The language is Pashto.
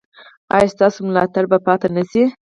ایا ستاسو ملاتړ به پاتې نه شي؟